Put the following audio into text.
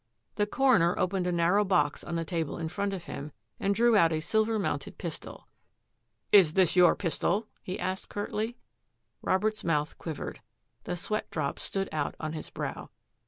The coroner opened a narrow box on the table in front of him and drew out a silver mounted pistol. " Is this your pistol? " he asked curtly. Robert's mouth quivered ; the sweat drops stood out on his brow.